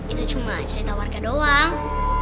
itu cuma cerita warga doang